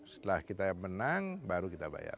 setelah kita menang baru kita bayar